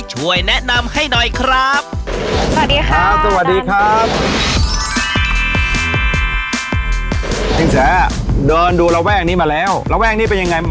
จริงแสเดินดูระแวกนี้มาแล้วระแวกนี้เป็นยังไง